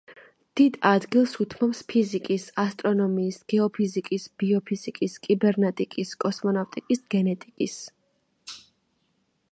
დიდ ადგილს უთმობს ფიზიკის, ასტრონომიის, გეოფიზიკის, ბიოფიზიკის, კიბერნეტიკის, კოსმონავტიკის, გენეტიკის.